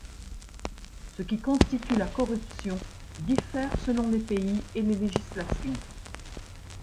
Ce qui constitue la corruption diffère selon les pays et les législations.